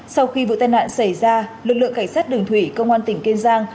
sau khi vụ tai nạn xảy ra lực lượng cảnh sát đường thủy công an tỉnh kiên giang